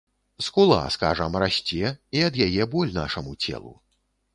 Скула, скажам, расце, і ад яе боль нашаму целу.